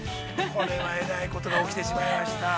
◆これはえらいことが起きてしまいました。